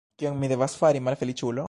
Kion mi devas fari, malfeliĉulo?